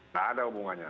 nggak ada hubungannya